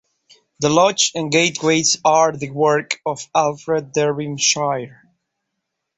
The lodge and gateways are the work of Alfred Darbyshire.